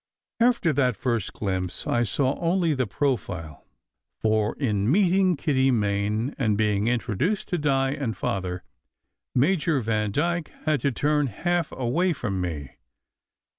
After that first glimpse I saw only the profile, for in meeting Kitty Main and being introduced to Di and Father, Major Vandyke had to turn half away from me.